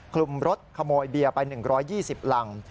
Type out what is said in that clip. คลุมรถขโมยเบียร์ไป๑๒๐รัง